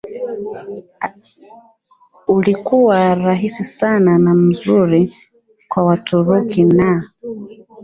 ulikuwa rahisi sana na mzuri kwa Waturuki na